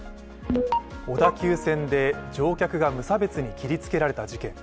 小田急線で乗客が無差別に切りつけられた事件。